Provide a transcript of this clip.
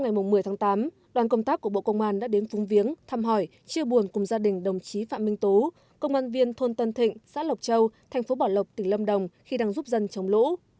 ngày một mươi tháng tám đoàn công tác của bộ công an đã đến phung viếng thăm hỏi chia buồn cùng gia đình đồng chí phạm minh tố công an viên thôn tân thịnh xã lộc châu thành phố bảo lộc tỉnh lâm đồng khi đang giúp dân chống lũ